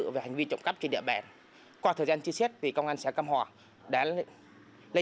vụ việc được trình báo ngay cho công an xã cam hòa